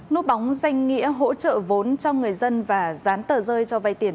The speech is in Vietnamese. nốt bóng danh nghĩa hỗ trợ vốn cho người dân và rán tờ rơi cho vay tiền